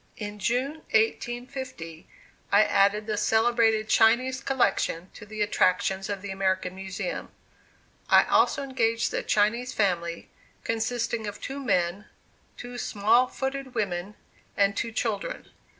In June 1850, I added the celebrated Chinese Collection to the attractions of the American Museum. I also engaged the Chinese Family, consisting of two men, two "small footed" women and two children.